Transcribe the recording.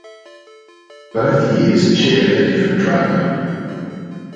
Both years shared a different driver.